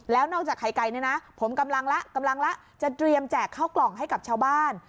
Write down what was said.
แล้วนอกจากไข่ไก่เนี่ยนะผมกำลังละกำลังแล้วจะเตรียมแจกเข้ากล่องให้กับชาวบ้าน